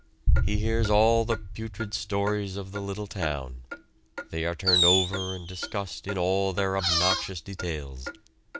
He hears all the putrid stories of the little town; they are turned over and discussed in all their obnoxious details.